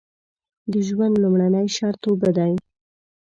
د ژوند لومړنی شرط اوبه دي.